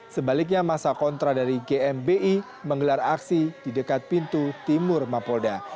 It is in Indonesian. sebaliknya masa kontra dari gmi menggelar aksi di dekat pintu timur mapolda